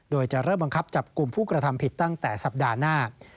โดยจะเริ่มบังคับจับกลุ่มผู้กระทำผิดตั้งแต่สัปดาห์หน้า